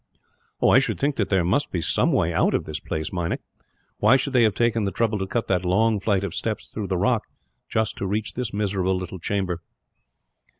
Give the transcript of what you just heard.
"I should think that there must be some way out of this place, Meinik. Why should they have taken the trouble to cut that long flight of steps through the rock, just to reach this miserable little chamber?"